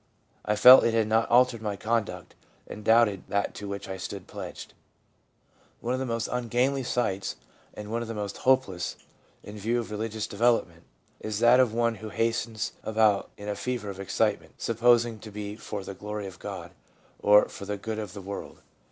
I felt it had not altered my conduct, and I doubted that to which I stood pledged/ One of the most ungainly sights, and one of the most hopeless, in view of religious development, is that of one who hastens about in a fever of excitement, sup posing it to be for ' the glory of God/ or for the good of the world.